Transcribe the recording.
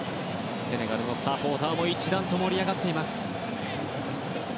セネガルのサポーターも一段と盛り上がっています。